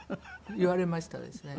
言われましたですね。